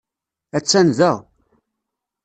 Attan da.